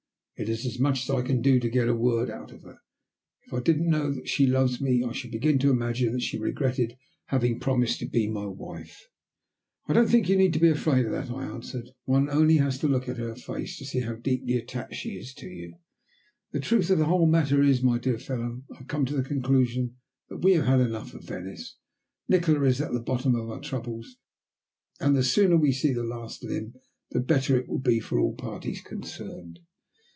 It is as much as I can do to get a word out of her. If I didn't know that she loves me I should begin to imagine that she regretted having promised to be my wife." "I don't think you need be afraid of that," I answered. "One has only to look at her face to see how deeply attached she is to you. The truth of the whole matter is, my dear fellow, I have come to the conclusion that we have had enough of Venice. Nikola is at the bottom of our troubles, and the sooner we see the last of him the better it will be for all parties concerned."